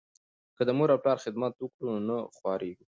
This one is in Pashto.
که د مور او پلار خدمت وکړو نو نه خواریږو.